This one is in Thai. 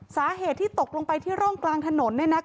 สาเหตุที่ตกลงไปที่ร่องกลางถนน